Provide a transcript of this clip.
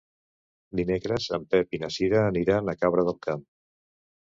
Dimecres en Pep i na Cira aniran a Cabra del Camp.